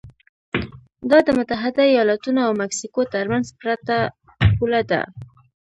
دا د متحده ایالتونو او مکسیکو ترمنځ پرته پوله ده.